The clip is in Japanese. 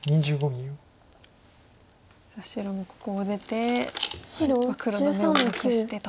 さあ白もここを出て黒の眼をなくしてと。